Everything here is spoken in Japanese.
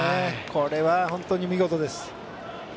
これは、本当に見事です。